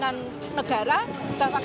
ya kekerasan akan berubah bentuk